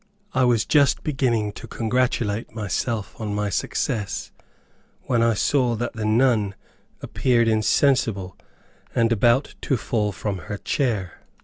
I was just beginning to congratulate myself on my success, when I saw that the nun appeared insensible, and about to fall from her chair.